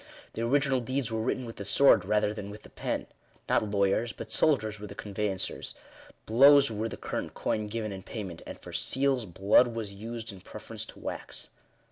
The original deeds were written with the sword, rather than with the pen : not lawyers, but soldiers, were the conveyancers : blows were the current coin given in payment; and for seals, blood was used in preference to wax.